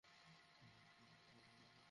এখানের কেউ আদর্শ নয়।